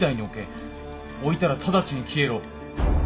「置いたら直ちに消えろＴ・Ｋ」